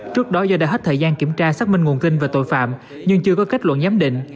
trước đó do đã hết thời gian kiểm tra xác minh nguồn kinh và tội phạm nhưng chưa có kết luận giám định